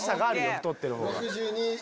太ってる方が。